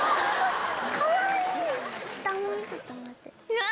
うわ！